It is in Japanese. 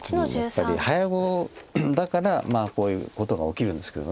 やっぱり早碁だからこういうことが起きるんですけど。